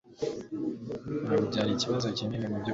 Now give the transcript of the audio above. Ntabwo byari ikibazo kinini mubyukuri